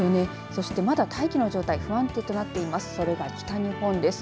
そしてまだ大気の状態が不安定となっています。